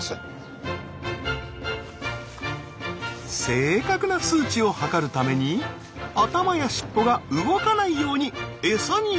正確な数値を測るために頭や尻尾が動かないように餌に集中させマス！